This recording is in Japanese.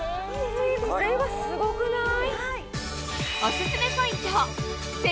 これはすごくない？